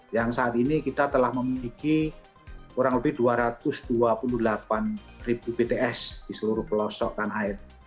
yang saat ini kita telah memiliki kurang lebih dua ratus dua puluh delapan ribu bts di seluruh pelosok tanah air